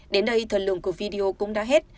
đến đây thần lượng của video cũng đã hết